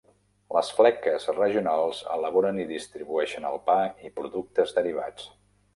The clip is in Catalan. Les fleques regionals elaboren i distribueixen el pa i productes derivats.